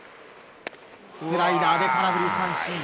スライダーで空振り三振。